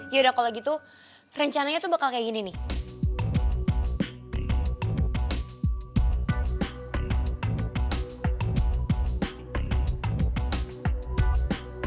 yaudah kalau gitu rencananya tuh bakal kayak gini nih